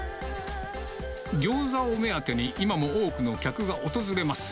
ギョーザを目当てに、今も多くの客が訪れます。